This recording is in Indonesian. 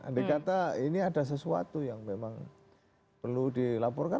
andai kata ini ada sesuatu yang memang perlu dilaporkan